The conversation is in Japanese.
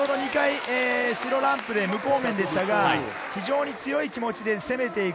先ほど２回、白ランプで無効面でしたが、非常に強い気持ちで攻めていく。